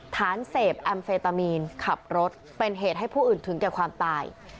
ฐานเสพแอมเฟตามีนขับรถเป็นเหตุให้ผู้อื่นถึงแก่ความตาย